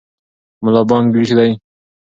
ملا بانګ ویښ دی.